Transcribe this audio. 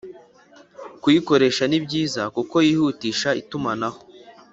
kuyikoresha ni byiza kuko yihutisha itumanaho